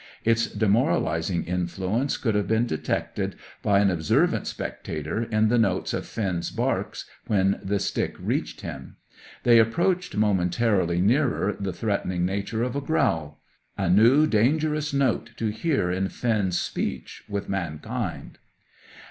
Its demoralizing influence could have been detected by an observant spectator in the notes of Finn's barks when the stick reached him. They approached momentarily nearer the threatening nature of a growl; a new, dangerous note to hear in Finn's speech with mankind.